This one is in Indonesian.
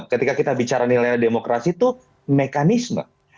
ketika kita bicara nilai demokrasi itu mekanisme